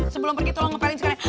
sebelum pergi tolong ngapain sekarang